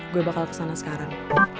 gue bakal kesana sekarang